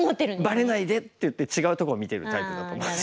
「ばれないで」っていって違うとこ見てるタイプだと思います。